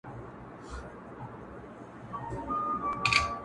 اې د ویدي د مست سُرود او اوستا لوري,